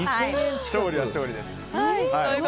勝利は勝利です。